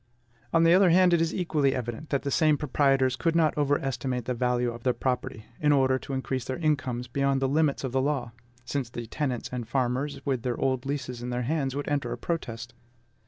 On the other hand, it is equally evident that the same proprietors could not overestimate the value of their property, in order to increase their incomes beyond the limits of the law, since the tenants and farmers, with their old leases in their hands, would enter a protest.